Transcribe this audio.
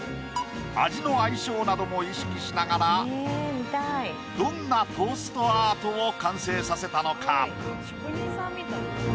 味の相性なども意識しながらどんなトーストアートを完成させたのか？